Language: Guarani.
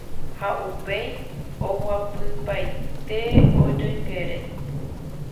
ha upéi oguapypaite ojoykére